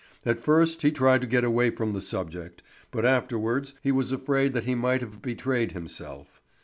At first he tried to get away from the subject, but afterwards he was afraid that he might have betrayed himself.